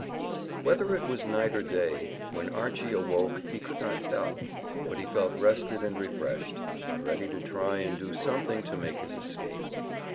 Whether it was night or day when Archy awoke he could not tell, but he felt rested and refreshed, and ready to try and do something to make his escape.